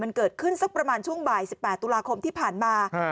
ว่าเหตุการณ์ดังกล่าวมันเกิดขึ้นสักประมาณช่วงบ่าย๑๘ตุลาคมที่ผ่านมา